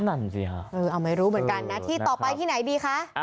นั่นสิฮะไม่รู้เหมือนกันนะที่ต่อไปที่ไหนดีคะ